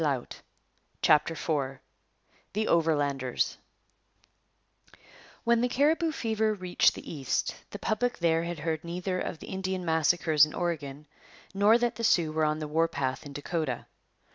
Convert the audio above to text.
CHAPTER IV THE OVERLANDERS When the Cariboo fever reached the East, the public there had heard neither of the Indian massacres in Oregon nor that the Sioux were on the war path in Dakota.